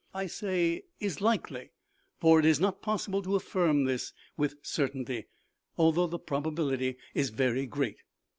I say is likely, for it is not possible to affirm this with certainty, although the probability is very great.